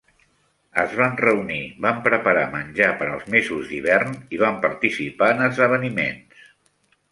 Es van reunir, van preparar menjar per als mesos d'hivern i van participar en esdeveniments.